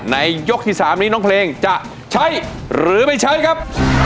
ยกที่๓นี้น้องเพลงจะใช้หรือไม่ใช้ครับ